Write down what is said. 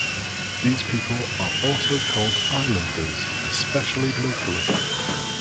These people are also called "Islanders", especially locally.